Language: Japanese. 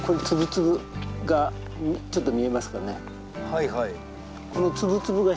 はいはい。